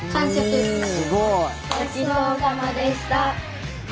ごちそうさまでした！